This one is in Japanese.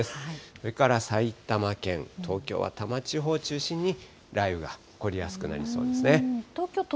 それから埼玉県、東京は多摩地方を中心に雷雨が起こりやすくなりそうですね。